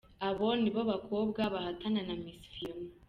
Abo nibo bakobwa bahatana na Misi Phiona .